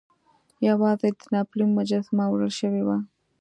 یوازې د ناپلیون مجسمه وړل شوې وه.